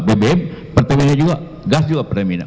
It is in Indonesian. bbm pertamina juga gas juga pertamina